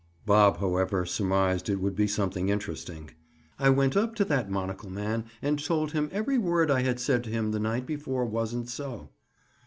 Bob, however, surmised it would be something interesting. "I went up to that monocle man and told him every word I had said to him the night before wasn't so."